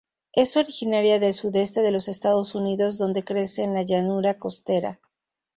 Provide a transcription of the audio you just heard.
Es originaria del sudeste de los Estados Unidos, donde crece en la llanura costera.